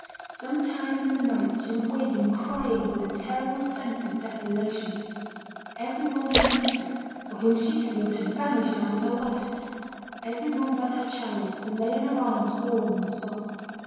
Sometimes in the nights she would waken, crying, with a terrible sense of desolation; every one who loved her, or whom she had loved, had vanished out of her life; every one but her child, who lay in her arms, warm and soft.